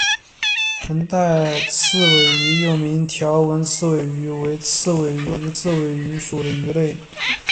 横带刺尾鱼又名条纹刺尾鱼为刺尾鱼科刺尾鱼属的鱼类。